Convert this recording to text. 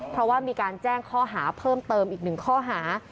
เพราะว่ามีการแจ้งข้อหาเพิ่มเติมอีกหนึ่งข้อหา